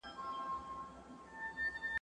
زه کولای سم د کتابتون کتابونه لوستل کړم!؟